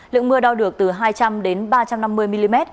lượng mưa đau được từ hai trăm linh đến ba trăm năm mươi mm